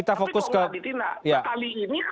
tapi kalau tidak ditindak